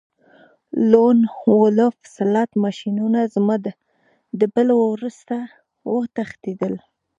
لون وولف سلاټ ماشینونه زما د بل وروسته وتښتیدل